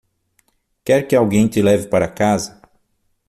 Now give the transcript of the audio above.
Quer que alguém te leve para casa?